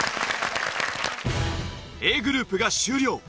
Ａグループが終了。